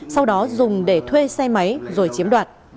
sau đó dùng để thuê xe máy rồi chiếm đoạt